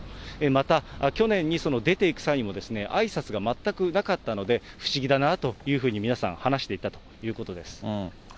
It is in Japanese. また、去年に出ていく際にも、あいさつが全くなかったので、不思議だなというふうに、皆さん話していたということです。